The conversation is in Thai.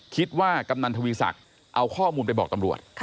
กำนันทวีศักดิ์เอาข้อมูลไปบอกตำรวจ